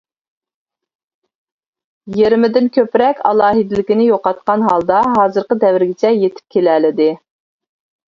يېرىمىدىن كۆپرەك ئالاھىدىلىكىنى يوقاتقان ھالدا ھازىرقى دەۋرگىچە يېتىپ كېلەلىدى.